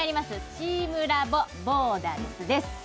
チームラボボーダレスです。